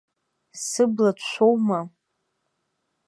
Сыбла ҭшәоума?